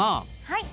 はい。